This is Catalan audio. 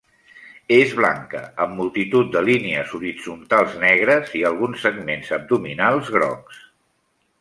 És blanca amb multitud de línies horitzontals negres i alguns segments abdominals grocs.